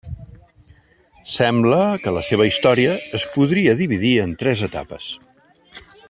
Sembla que la seva història es podria dividir en tres etapes.